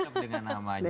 cocok dengan namanya